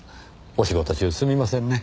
お仕事中すみませんね。